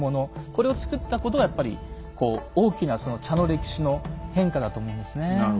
これを作ったことはやっぱり大きな茶の歴史の変化だと思うんですね。